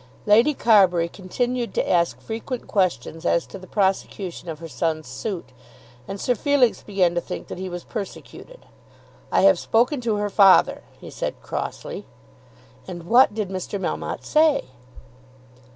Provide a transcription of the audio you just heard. Lady Carbury continued to ask frequent questions as to the prosecution of her son's suit, and Sir Felix began to think that he was persecuted. "I have spoken to her father," he said crossly. "And what did Mr. Melmotte say?"